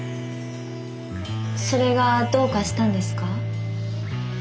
それがどうかしたんですか？